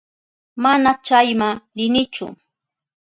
Mana chayma rinichu.